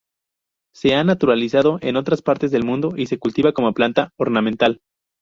Se ha naturalizado en otras partes del mundo y se cultiva como planta ornamental.